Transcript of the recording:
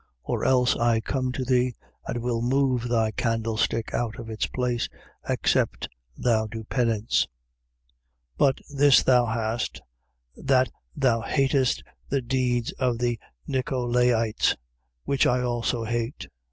Or else I come to thee and will move thy candlestick out of its place, except thou do penance. 2:6. But this thou hast, that thou hatest the deeds of the Nicolaites, which I also hate. 2:7.